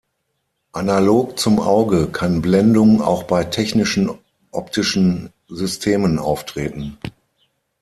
Analog zum Auge kann Blendung auch bei technischen optischen Systemen auftreten.